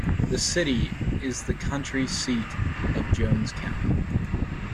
The city is the county seat of Jones County.